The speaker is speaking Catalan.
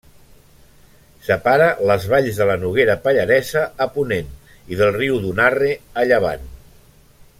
Separa les valls de la Noguera Pallaresa, a ponent, i del Riu d'Unarre, a llevant.